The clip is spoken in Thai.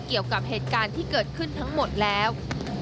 เกี่ยวกับเหตุการณ์ที่เกิดขึ้นทั้งหมดแล้ว